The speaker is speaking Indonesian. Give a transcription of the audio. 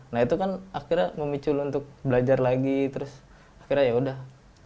nah itu kan akhirnya memicu lu untuk belajar lagi terus akhirnya yaudah